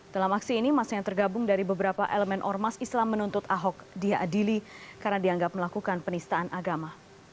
dalam aksi ini masa yang tergabung dari beberapa elemen ormas islam menuntut ahok diadili karena dianggap melakukan penistaan agama